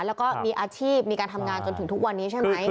แล้วก็มีอาชีพมีการทำงานจนถึงทุกวันนี้ใช่ไหม